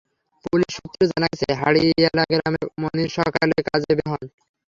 Police সূত্রে জানা গেছে, হাড়িয়ালা গ্রামের মনির সকালে কাজে বের হন।